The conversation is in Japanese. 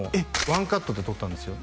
ワンカットで撮ったんですよ